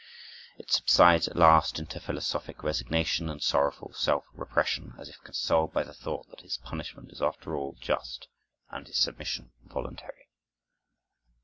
It subsides at last into philosophic resignation and sorrowful self repression, as if consoled by the thought that his punishment is after all just and his submission voluntary.